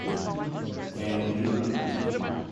Van Leer.